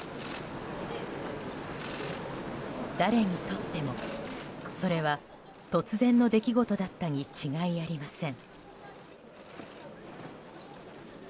誰にとっても、それは突然の出来事だったに違いありません。